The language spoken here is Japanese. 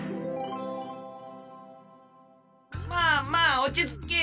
まあまあおちつけ。